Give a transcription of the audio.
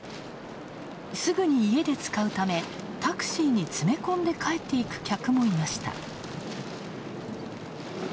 すぐに家で使うため、タクシーに詰め込んで帰っていく客もいました。